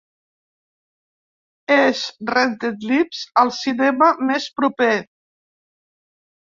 És "Rented Lips" al cinema més proper